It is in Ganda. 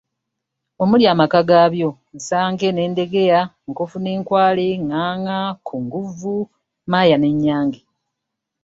"Omuli amaka gaabyo, Nsanke n’endegeya, Nkofu n’enkwale, Ngaanga kunguvvu, Mmaaya n’ennyange."